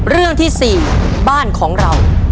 เรื่องที่๔บ้านของเรา